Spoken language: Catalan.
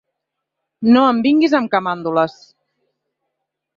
No em vinguis amb camàndules.